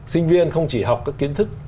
sinh viên không chỉ học các kiến thức